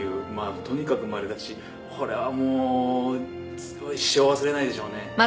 とにかくまれだしこれはもう一生忘れないでしょうね。